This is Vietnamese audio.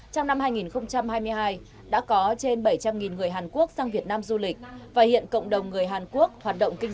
trong năm hai nghìn hai mươi hai đã có trên bảy trăm linh người hàn quốc sang việt nam du lịch và hiện cộng đồng người hàn quốc hoạt động kinh